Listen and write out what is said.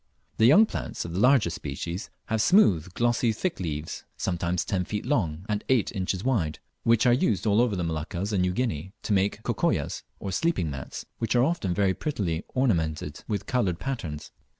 The young plants of the larger species have smooth glossy thick leaves, sometimes ten feet long and eight inches wide, which are used all over the Moluccas and New Guinea, to make "cocoyas" or sleeping mats, which are often very prettily ornamented with coloured patterns.